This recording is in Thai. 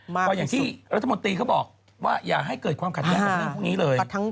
อย่างที่รัฐมนตรีบอกอย่างให้เกิดความขาดแยะต่อทุกอย่างเลย